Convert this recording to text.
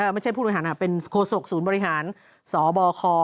ไม่ใช่ผู้บริหารนะเป็นโคสกศูนย์บริหารสบค